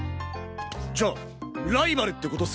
じゃあライバルって事っすか？